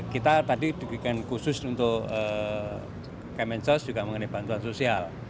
kita tadi diberikan khusus untuk kemensos juga mengenai bantuan sosial